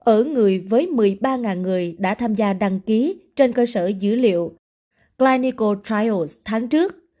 ở người với một mươi ba người đã tham gia đăng ký trên cơ sở dữ liệu clyco trios tháng trước